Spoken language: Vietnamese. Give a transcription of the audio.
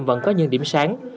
vẫn có những điểm sáng